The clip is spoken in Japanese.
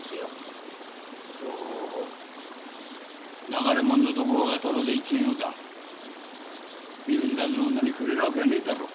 流れ者の土工がただで１円をだ見ず知らずの女にくれるわけがねえだろ。